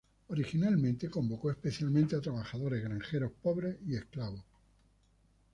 Originalmente convocó especialmente a trabajadores, granjeros pobres y esclavos.